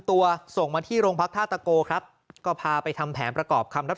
ส่งมาที่โรงพักท่าตะโกครับก็พาไปทำแผนประกอบคำรับ